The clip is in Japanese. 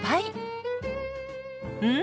うん！